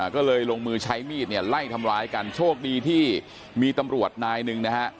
ก็เลยลงมือใช้มีดเนี่ยไล่ทำร้ายกันโชคดีที่มีตำรวจนายหนึ่งนะฮะ